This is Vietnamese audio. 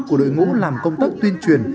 của đội ngũ làm công tác tuyên truyền